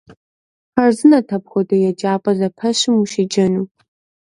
Хъарзынэт апхуэдэ еджапӏэ зэпэщым ущеджэну.